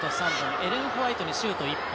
エレン・ホワイトにシュート、１本。